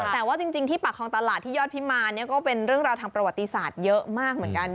แต่ว่าจริงที่ปากคลองตลาดที่ยอดพิมารก็เป็นเรื่องราวทางประวัติศาสตร์เยอะมากเหมือนกัน